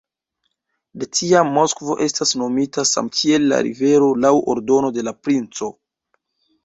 De tiam Moskvo estas nomita samkiel la rivero laŭ ordono de la princo.